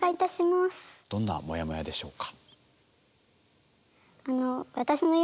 どんなモヤモヤでしょうか？